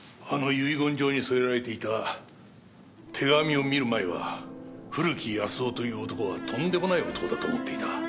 あの遺言状に添えられていた手紙を見る前は古木保男という男はとんでもない男だと思っていた。